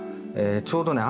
ちょうどね